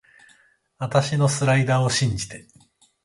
あたしのスライダーを信じて